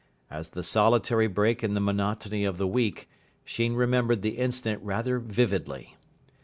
As the solitary break in the monotony of the week, Sheen remembered the incident rather vividly.